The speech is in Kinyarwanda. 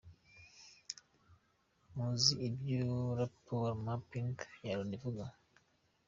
Muzi ibyo rapport mapping ya Loni ivuga.